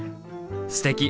すてき！